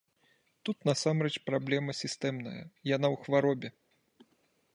Тут насамрэч праблема сістэмная, яна ў хваробе.